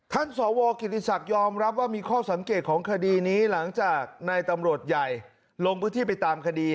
สวกิติศักดิ์ยอมรับว่ามีข้อสังเกตของคดีนี้หลังจากนายตำรวจใหญ่ลงพื้นที่ไปตามคดี